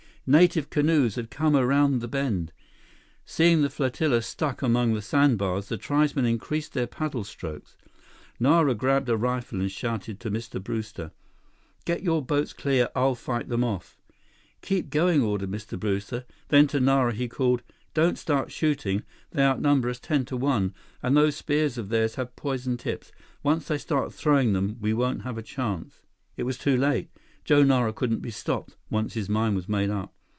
Native canoes had come around the bend. Seeing the flotilla stuck among the sandbars, the tribesmen increased their paddle strokes. Nara grabbed a rifle and shouted to Mr. Brewster: "Get your boats clear! I'll fight them off!" "Keep going!" ordered Mr. Brewster. Then, to Nara, he called: "Don't start shooting! They outnumber us ten to one, and those spears of theirs have poison tips. Once they start throwing them, we won't have a chance—" It was too late. Joe Nara couldn't be stopped, once his mind was made up.